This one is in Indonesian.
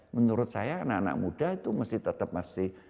menurut saya anak anak muda itu masih tetap masih